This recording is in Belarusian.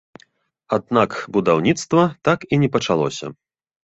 Аднак будаўніцтва так і не пачалося.